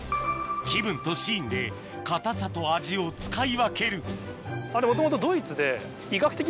気分とシーンで硬さと味を使い分けるあれもともと。